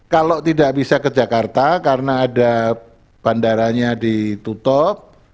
kalau tidak bisa ke jakarta karena ada bandaranya ditutup